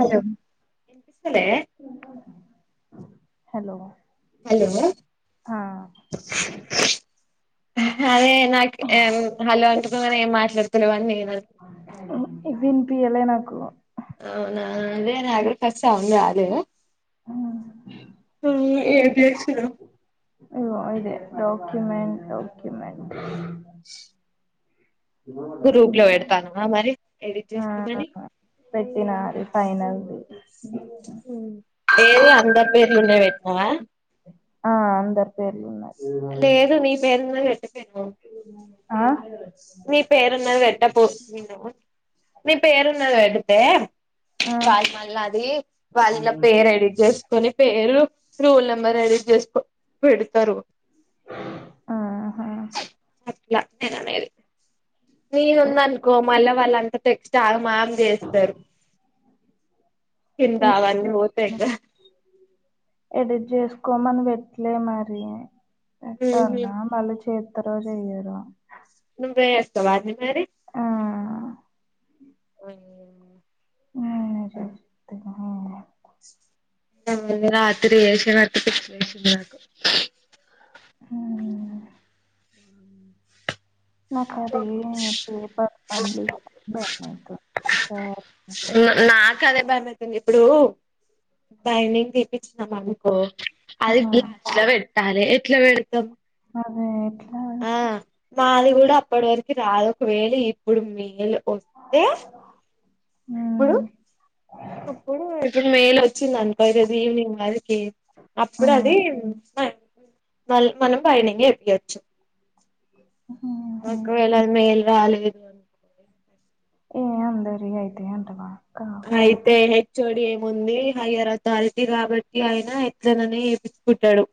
Hello ఇనిపిస్తుందా hello hello ఆ అదే నాకి హలో అంటే కూడా ఏం మాట్లాడుతలే అని నేను అను వినిపియాలా నాకు అవునా అదే నా పస్ట్ సాంగ్ రాలేదు ఆ అవును ఎమ్ చేస్తున్నావ్ ఓ అదే డాక్యుమెంట్ డాక్యుమెంట్ గ్రూప్ లో పెడతాను మరి ఎడిట్ ఆ చేసుకోమని పెట్టినా అది ఫైనల్ది ఏది అందరి పేర్లు ఉండేవి పేట్నావా ఆ అందరు పేర్లు ఉన్నాయి లేదు నీ పేరుమీద పెట్టాలేదు ఆ మీ పేరున్నది పెట్ట పో మీ పేరున్నది పెడితే ఆ కాదు మళ్ళ అది వాళ్ళ పేరు ఎడిట్ చెస్ కొన్ని పేరు రోల్ నెంబర్ ఎడిట్ చేసుకో పెడతారు ఆహా [unintelligible] ట్లా నిను అనేది నేను ఉంన్ననుకో మళ్ళ వాళ్ళు అంట టెక్స్ట్ అగమాగ్ ని చేస్తారు కింద అవన్ని ఓ పెద్ద కోమని పెట్లే మరి ఉహు పెట్టాల్నా మల్లిచేస్ తరో చెయ్యరో నువ్వే చెస్తావా వట్ ఆ నినే చేస్తిగా ఆ ఆ రాత్రి చేసినందుకు పిచ్చిలేసింది నాకు హు నాకు అది ఎమ్ ఏడుపోతాంది భయమాయితాంద సార్ [unintelligible] న్నప్పుడు నాకు అదే భయమైతుంది ఇప్పుడు బైనింగ్ తెప్పించినమనుకో ఆ, అది క్లాస్ ల పెడ్ అరె ఎట్లపెడతం అదే ఎట్ ఆ మాది కూడా అప్పటి వరకు కి రాదు ఒకవేళ ఎప్పుడు మే లో వస్తే ఉమ్, అప్పుడు అప్పుడు ఇప్పుడు మెయిల్ వచ్చింది అనుకో ఈరోజు ఈవినింగ్ వరక్ కి అప్పుడు అది ఉమ్, మ మల్ మనం బైనింగ్ ఎపియ్యొచ్చు హ ఒకవేళ అది మెయిల్ రాలేద్ ఏ అందరి అయితాయి అంటున్న అయితై ఎహె హెచ్ ఓ డి ఏముంది హైయర్ అథారిటీ కాబట్టి ఆయన ఎట్లనైనా చేపించుకుంటాడు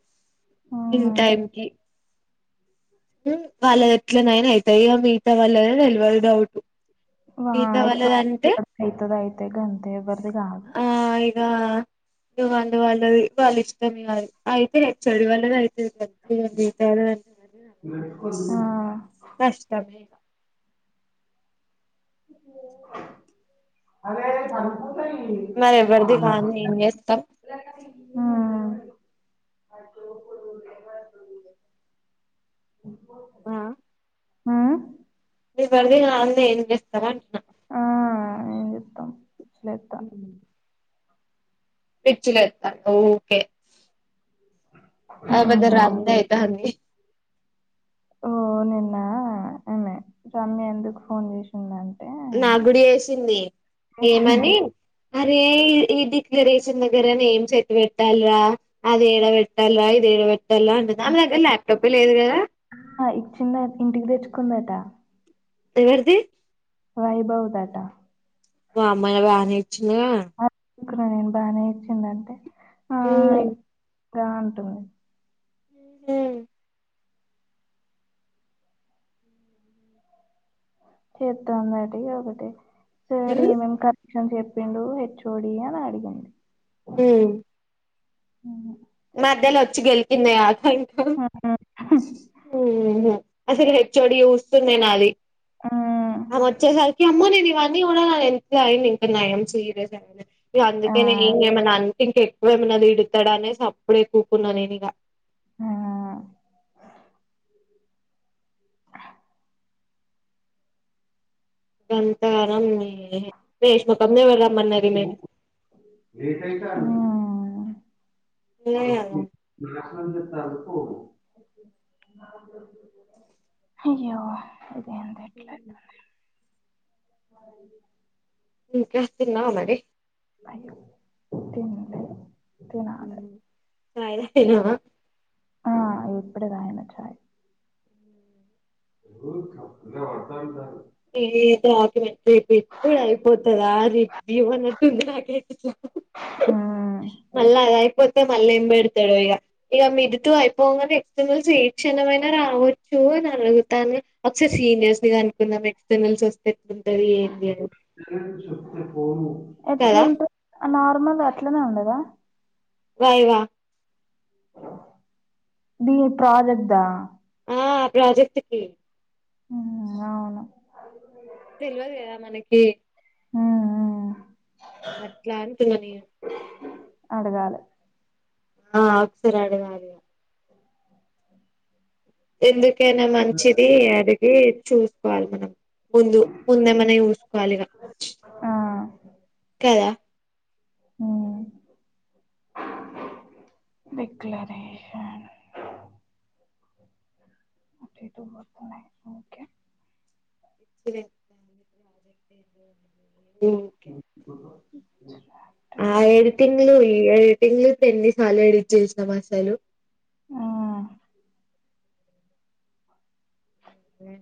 ఇన్ ఉమ్, టైం కి వాళ్ళది ఎట్లనైనా అయితాయి ఇగ మిగతా వాళ్లదే తెల్వదు డౌట్ వా మిగతా [unintelligible] వాళ్ళదంటే అయితది గంతే ఎవరిది కాదు ఆ [unintelligible] వాళ్ళు వాళ్ళది వాళ్ళ ఇష్టం ఇగ అది అయితే హెచ్ ఓ డి వల్లది అయి [inaudible] మిగతా వాళ్ళని ఆ కష్టమే అరే పడుకో మరి ఎవరిది వంది ఏం చేస్తాం అప్పు [inaudible] ఆ ఎవరిది కానిది ఏం చేస్తాం అంటున్నా ఆ, ఏం చెప్తాం ఉ పిచ్చి లేతంది ఊకె ఆ బద లేస్తాను రాందే అయితాంది ఓ నిన్న ఆమె రమ్య ఎందుకు ఫోన్ చేసింద అని నాకూడా చేసింది చేసింది ఏమని అరే ఈ డిక్లరేషన్ దగ్గర నేమ్స్ ఎటు పెట్టాలరా అది ఏడ పెట్టాలరా ఇదిడ పెట్ లా అన్నది ఆమే అంటే దగ్గర ల్యాప్టాప్ ఏ లేదు కదా చిన్నగ ఇంటికి తెచ్చుకుందట ఎవరిది వైభవ్ దట వామ్మో అయినా బానే ఇచ్చిండు గా ఇక్కడ మనం బానే ఇచ్చిండంటే ఊ దా ఉంటుంది ఉమ్ చెత్తందట ఇగొకటి సరే మేం కట్ క్వశ్చన్స్ చెపిండు హెచ్చోడి అని అడిగింది ఉమ్ "ఉమ్, మధ్యలో చెప్పింది వచ్చి గెలు కిందే ఆలు హయ్యో "ఉమ్, ఊ అసలు హెచ్ ఓ డి చూస్తుండే నాది ఉమ్, అ వచ్చేసర్ ఏమ్మో నేను ఇవన్నీ యూడా కదా ఎంతో ఐండు ఇంకా నయం సీరియస్ గా అనలే ఇగో ఆ, అందుకే నేన్ ఇంగెమనన్ ఇంక ఎక్కువ ఏమై నా దిడతడనే సప్ ప్పుడే కూకున్నా నేను ఇగా ఆ గధారం ఏ రేష్మ క ఎవరమ్మానరిమేను లేట్ [unintelligible] హయ్యో హు ఇంకేం తిన్నావా మరీ అయ్యో తింటి తినాలి చాయ్ తాగినావ ఆ ఇప్పుడే తాగినా చాయి [inaudible] ఏదోక రేపు ఎప్పుడు అయిపోతుందా రే ఇవ్వ న్నట్టుంది నాకైతే మ్మ్. మళ్ళాఅద పోతే మళ్ళీ ఏం పెడతాడో ఇక ఇక మిడ్ టూ అయిపోగానే ఎక్స్టర్నల్స్ ఈ క్షణమైనా రావచ్చు అని అడుగుతాను ఒకసారి సీనియర్స్ ని కనుక్కుందామే రిజల్ట్స్ వస్తే ఎప్పుడూ కదా ఎట్లున్ట్రు నార్మల్ అట్లనే ఉండదా రాయవా దీ ప్రాజెక్టు దా ఆ ప్రాజెక్ట్కి హ్మ్ అవును తెల్వదు కదా మనకి మ్మ్, మ్మ్. అట్లా అంటున్న నేను అడగాలే ఆ ఆకురడగాలి ఏంది కేనా మంచిది అడిగి చూ పాల్ మనం ముందు ముందు ఏమన్నా చూసుకోవాలి ఇంగ ఆ, కదా ఉమ్ డిక్లరేషన్ అటు ఇటు వర్క్ ఉన్నాయ్ ఓక్కే పిచ్చి లేప్తా ఉంది ఎంలే ఉకే [unintelligible] ఆ ఎడ్తిన్లే ఏ పెళ్లి పెళ్లి సాలడించేసినామా అసలు ఆ వే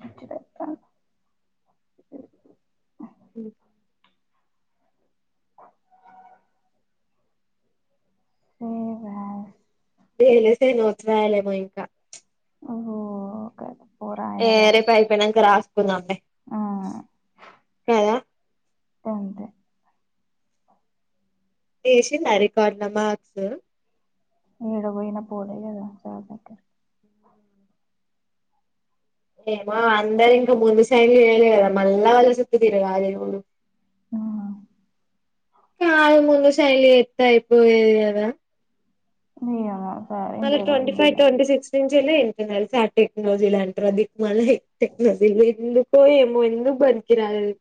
పిచ్చిలెక్క హ్మ్ సేమ్ యాస్ డి వేలేస్తే నోట్స్ రాయలేమో ఇంకా ఓహో కద ఏ రేపు అయిపోయినంక రాస్ కుందాం లే ఆ కదా గంతే తీసిందా రికార్డ్ల మర్క్స్ ఏడ పోయిన పోలే కదా సార్ దగ్గరి మా అందరు ఇంకా ముందు సైన్లు జేయ్యాలె కదా మళ్ళా వాళ్ళ చుట్టూ తిరగాలే ఏమో ఆ కాదు ముందు సైన్లు జేత్తే అయిపోయేది కదా నీయవ్వ మళ్ళీ ట్వంటీ ఫైవ్ ట్వంటీ సిక్స్ ఏ లే ఇంటర్నల్ సార్ టెక్నాలజీ అంట్రరు ఆ దిక్కుమాలిన మళ్ళీ టెక్నాలజీ ఎందుకో ఏమో ఎందుకు పనికిరాదు అది [inaudible]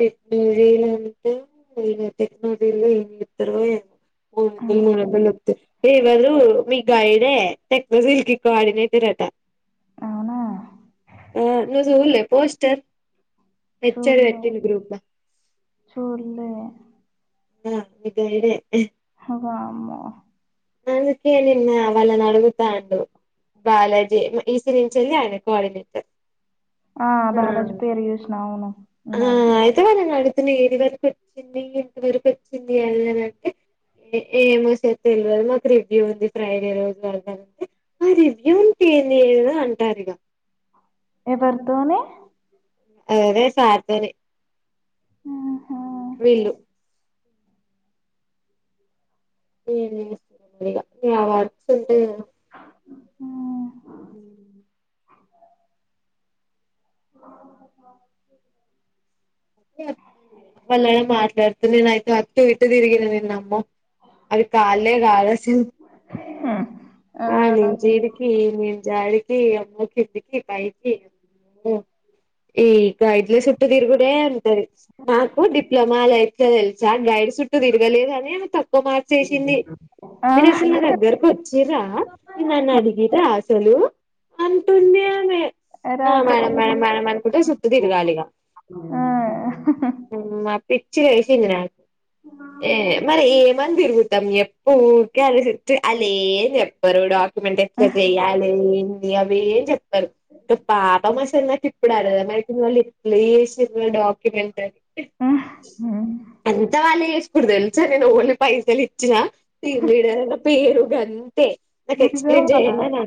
టెక్నాలజీలు అంటే వీళ్ళ టెక్నాలజీలో ఏం జేత్తారో ఏమో ముందే [unintelligible] ఎవరు మీ గైడే టెక్నోసిల్కి కోఆర్డినేటర్ అట అవునా ఆ ను జుల్లే పోస్టర్ పెచ్చర్ వే చూడ్లే ఆ మీ గైడే వామ్మో అందుకే నిన్న వాళ్ళను అడుగుతాండు. బాలాజీ ఎ ఈస్ తిను చెల్లి ఆయన కోఆర్డినేటర్ ఆ బాలాజి పేరు చేస్న అవును. ఆ ఉన్నది అయితే వాళ్లన్ అడు తిను ఏడి వరకు వచ్చింది. ఇంటి వరకు వచ్చింది అదిదనంటే ఏమో సార్ తెల్వదు మాకు రివ్యూ ఉంది ఫ్రైడే రోజు వెళ్దనంటే ఆ రివ్యూ ఉంటే ఏం లేద అంటారు ఇగ ఎవర్తోని అదే సార్తోని ఆహా వీళ్ళు [unintelligible] హ ఆ మళ్ళ మాట్లాడ్ నేనైతే అటు ఇటు తిరిగిన నిన్న అమ్మ అవి కాలే గాదసలు మ్ అడ్నించీడికి ఇడ్నించి ఆడికి అమ్మ కిందికి పైకి ఈ గైడ్ల సుట్టూ తిరుగుడే అంటది నాకు డిప్లమా లైఫ్లో తెలుసా గైడ్ సుట్టూ తిరగలేదనే మార్చేసింది ఆ ఆ నేనుసలు నా దగ్గరకు వచ్చ చిరా నన్ను అడిగరా అసలు అంటుంది ఆమె మేడమ్ మ్యాడం రాకపోయినా మ్యా మన కుటే స తిర్గాలిక ఆ ఆ పిచ్చి లేసింది ఇగ ఏ మరి ఏమంది బరుగు మ్ ఎ పక అరసిట్ అలే చెప్పరు కూడా మెటీజ్ జయాలే వి ఏ చె ఏ పాపమ్ అసలు ఇప్పుడు అరద మేయితుంది వాళ్ళ ట్లే ఏసిన వెంత హ్మ్. అంత వాళ్ళే చే ఇప్పుడు తెల్సా నేను ఉల్లిపాయ చ్చిన తీడ పేరు గనీ తే నాకు ఎక్స్ప్లెయిన్ నిజమా చేయద నా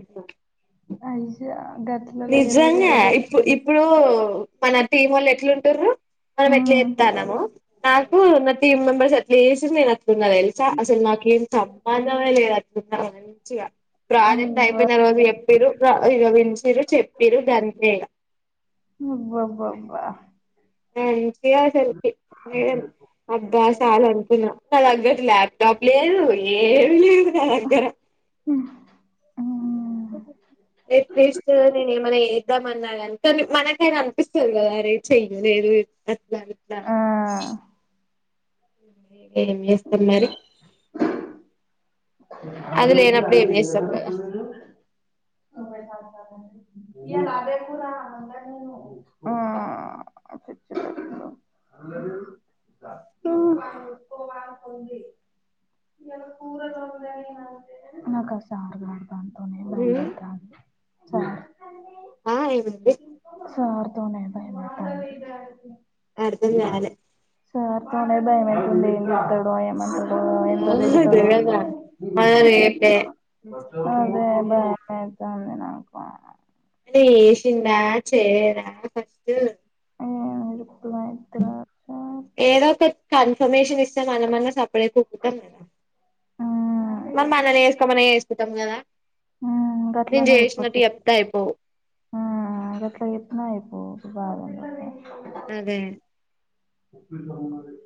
అయ్యా గట్ల లేదే నిజంగా లేదు ఇప్పు ఇప్పుడు ఓ మన టీం వాళ్ళు ఎట్లుంట్ర మనం ఎట్లా ఉమ్ ఇస్తానము. నాకు నా టీమ్ మెంబర్స్ ఎట్లా తిన్లేదా నిన్న తెల్సా అస్సలు నాకు సంబంధమే లేదనిపించింది. చాలా మంచిగా ప్రాజెక్ట్ అవ్వ అయిపోయిన రోజు చెప్పిరు ఇగ పిలిచిర్రు. చెప్పిరు అంతే ఇగ అబ్బబ్బబ్బా ఉమ్ కె అసల్కి రేర్ అబ్బా సాల్ అనుకున్న ల్యాప్టాప్ లేదు ఏం లేదు. నా దగ్గర ఉమ్ ఎట్లీస్ట్ నేను ఏమన్నా ఎద్దాం అన్నాకాని మనకైనా అనిపిస్తుంది కదా అరే చెయలేదు. అట్లా ఇట్లా ఆ అని ఏం చేస్తాం మరి అది లేనప్పుడు ఏం చేస్తాం కదా [unintelligible] ఉమ్ [unintelligible] దాంతోనే భయం ఉమ్ అయితాంది చాలు ఆ ఏమండి సార్తోనే భయం అయితాంది అర్థం కాలే సార్ తోనే భయం అయితుంది ఏం చెప్తడో ఏం అంటడో ఎంత తీడతడో అదే రేపే తుంది నాకు చేసిండా చేయరా ఫస్ట్ ఏం ఇరుకులు అయితరో సార్ ఏదో ఒకట కన్ఫర్మేషన్ ఇస్తే మనమన్నా స [unintelligible] కద మరి చేస్కో ఏమన్న చేస్కో కుతం కదా హమ్ నేను గట్లానే చేసినట్టు అయిపోచ్చు చెప్తే అయిపోవు హమ్ గట్ల చెప్పిన అయిపోవ్ బాగా అదే ఎందుకు